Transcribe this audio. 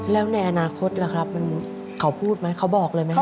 แล้วในอนาคตล่ะครับเขาพูดไหมเขาบอกเลยไหมครับ